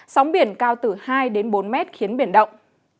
sóng biển cao từ hai đến bốn mét khiến biển động